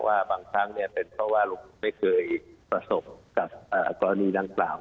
ว่าบางครั้งเป็นเพราะว่าลูกตนไม่เคยประสบกับอักษรณีแบบนี้หรือไม่รับ